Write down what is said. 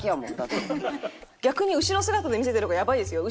逆に後ろ姿で見せてる方がやばいですよ。